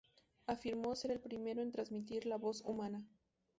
Afirmó ser el primero en transmitir la voz humana.